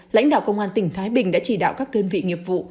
lãnh đạo công an tỉnh thái bình đã chỉ đạo các đơn vị nghiệp vụ